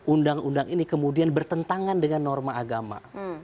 undang undang ini kemudian bertentangan dengan norma agama